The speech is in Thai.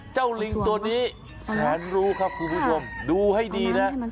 ลิงตัวนี้แสนรู้ครับคุณผู้ชมดูให้ดีนะ